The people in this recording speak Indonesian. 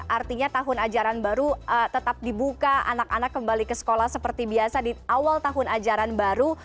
artinya tahun ajaran baru tetap dibuka anak anak kembali ke sekolah seperti biasa di awal tahun ajaran baru